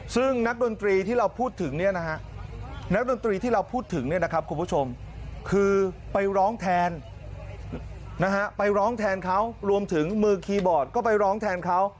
ซึ่งนักดนตรีที่เราพูดถึงเนี่ยนะฮะนักดนตรีที่เราพูดถึงเนี่ยนะครับคุณผู้ชมคือไปร้องแทนไปร้องแทนเขารวมถึงมือคีย์บอร์ดก็ไปร้องแทนเขา